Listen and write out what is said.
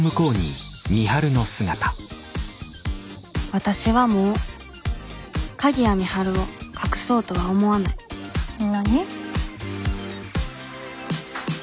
わたしはもう鍵谷美晴を隠そうとは思わない何？